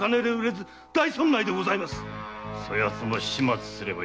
そいつも始末すればよい。